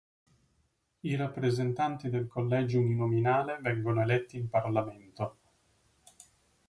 I rappresentanti del collegio uninominale vengono eletti in parlamento.